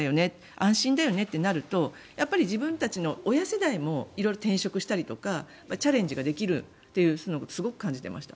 安心だよねとなると自分たちの親世代も転職したりとかチャレンジができるというのをすごく感じていました。